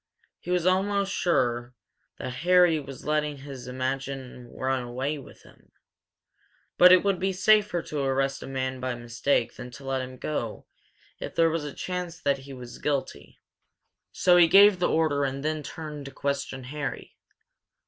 He was almost sure that Harry was letting his imagination run away with him, but it would be safer to arrest a man by mistake than to let him go if there was a chance that he was guilty. So he gave the order and then turned to question Harry.